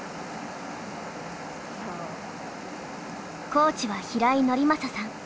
コーチは平井伯昌さん。